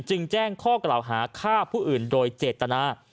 แจ้งข้อกล่าวหาฆ่าผู้อื่นโดยเจตนา